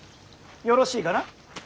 よろしいかな。